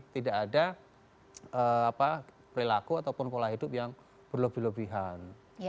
tidak ada perilaku atau pola hidup yang berlebihan